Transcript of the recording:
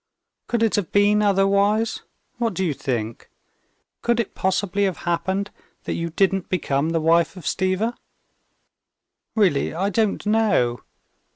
Could it have been otherwise? What do you think? Could it possibly have happened that you didn't become the wife of Stiva?" "Really, I don't know.